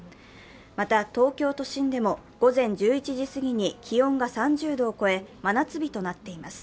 また東京都心でも午前１１時過ぎに気温が３０度を超え、真夏日となっています。